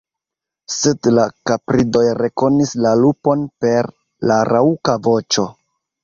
Sed la kapridoj rekonis la lupon per la raŭka voĉo.